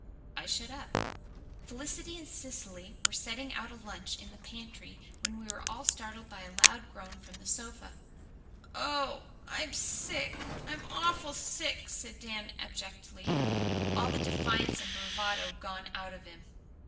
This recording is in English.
I shut up. Felicity and Cecily were setting out a lunch in the pantry when we were all startled by a loud groan from the sofa. "Oh, I'm sick I'm awful sick," said Dan abjectly, all the defiance and bravado gone out of him.